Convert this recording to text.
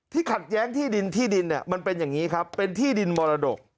ขัดแย้งที่ดินที่ดินเนี่ยมันเป็นอย่างนี้ครับเป็นที่ดินมรดก